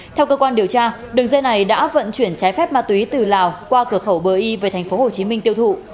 theo cơ quan điều tra đường dây này đã vận chuyển trái phép ma tùy từ lào qua cửa khẩu bờ y về thành phố hồ chí minh tiêu thụ